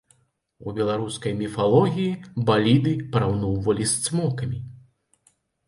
У беларускай міфалогіі баліды параўноўвалі з цмокамі.